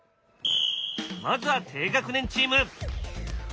まずは低学年チーム。